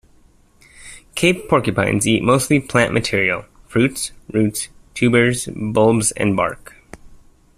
Cape porcupines eat mostly plant material: fruits, roots, tubers, bulbs, and bark.